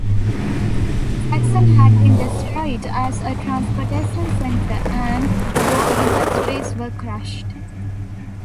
Jackson had been destroyed as a transportation center and the war industries were crushed.